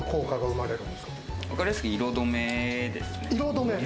わかりやすく、色止めですね。